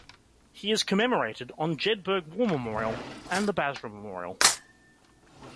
He is commemorated on Jedburgh War Memorial and the Basra Memorial.